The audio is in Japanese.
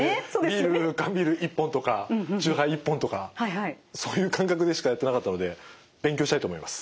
ビール缶ビール１本とか酎ハイ１本とかそういう感覚でしかやってなかったので勉強したいと思います。